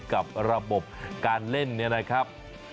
กับระบบการเล่นเนี่ยนะครับ